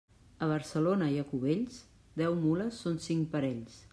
A Barcelona i a Cubells, deu mules són cinc parells.